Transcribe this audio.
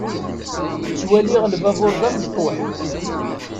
Ttwaliɣ lbabuṛ d amecṭuḥ.